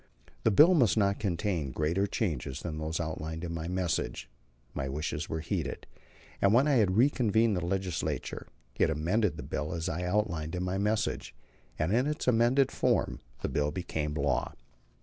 The bill must not contain greater changes than those outlined in my message." My wishes were heeded, and when I had reconvened the Legislature it amended the bill as I outlined in my message; and in its amended form the bill became law.